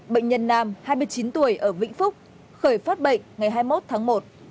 bệnh nhân nam hai mươi chín tuổi ở vĩnh phúc khởi phát bệnh ngày hai mươi một tháng một